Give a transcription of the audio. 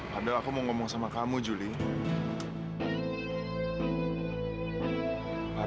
padahal aku mau ngomong sama kamu julie